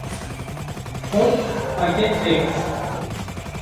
‘’ Xort, pakêt vekir.